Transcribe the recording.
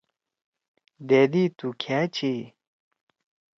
دأدی تُو کھأ چھی؟